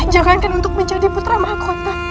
jangankan untuk menjadi putra mahkota